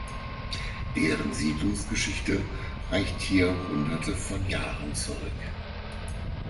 Deren Siedlungsgeschichte reicht hier hunderte von Jahren zurück.